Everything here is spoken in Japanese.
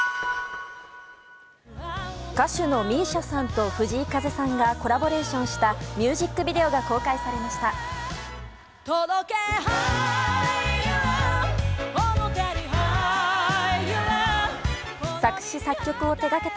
歌手のＭＩＳＩＡさんと藤井風さんがコラボレーションしたミュージックビデオが公開されました。